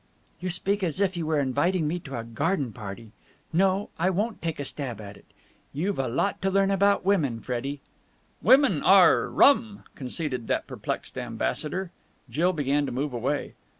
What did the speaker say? "You speak as if you were inviting me to a garden party! No, I won't take a stab at it. You've a lot to learn about women, Freddie!" "Women are rum!" conceded that perplexed ambassador. Jill began to move away.